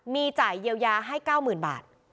มีจ่ายเยียวยาให้๙๐๐๐บาท